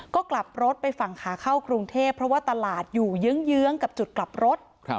ก็กลับรถไปฝั่งขาเข้ากรุงเทพเพราะว่าตลาดอยู่เยื้องกับจุดกลับรถ